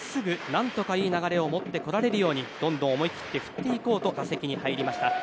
何とかいい流れを持ってこられるようにどんどん思い切って振っていこうと打席に入りました。